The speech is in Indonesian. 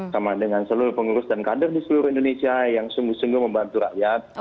sama dengan seluruh pengurus dan kader di seluruh indonesia yang sungguh sungguh membantu rakyat